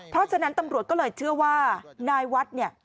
เพราะฉะนั้นตำรวจก็เลยเชื่อว่านายวัดเนี่ย